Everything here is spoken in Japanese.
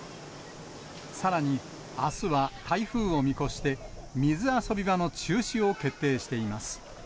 さらに、あすは台風を見越して、水遊び場の中止を決定しています。